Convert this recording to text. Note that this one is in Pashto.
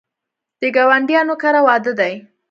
د ګاونډیانو کره واده دی